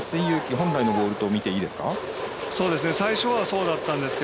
本来のボールと見ていいですか？